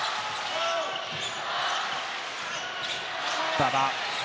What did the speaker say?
馬場。